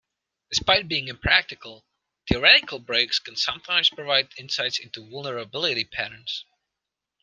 Despite being impractical, theoretical breaks can sometimes provide insight into vulnerability patterns.